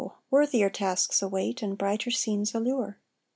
worthier tasks await, and brighter scenes allure.